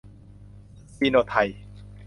ซิโนไทย